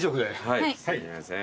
はい。